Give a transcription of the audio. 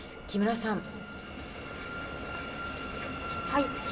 木村さん。